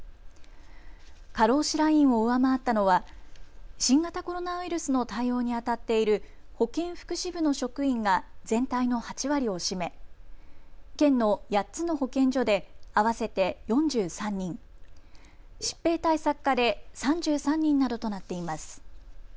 過労死ラインを上回ったのは新型コロナウイルスの対応にあたっている保健福祉部の職員が全体の８割を占め、県の８つの保健所で合わせて４３人、疾病対策課で３３人などとなっています。